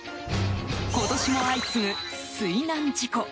今年も相次ぐ水難事故。